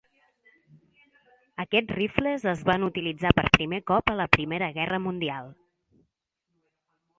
Aquests rifles es van utilitzar per primer cop a la Primera Guerra Mundial.